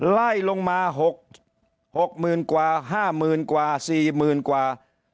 ไล่ลงมาหกหกหมื่นกว่าห้ามือนกว่าสี่หมื่นกว่า